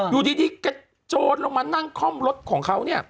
อยู่ดีกระโจนลงมานั่งคล่อมรถของเขาเนี่ย